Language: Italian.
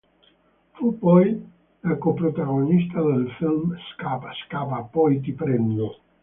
Fu poi la coprotagonista del film "Scappa, scappa... poi ti prendo!